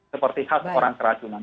seperti khas orang keracunan